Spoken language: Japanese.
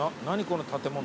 この建物。